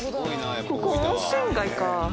ここ温泉街か。